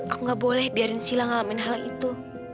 aku gak boleh biarin sila ngalamin hal itu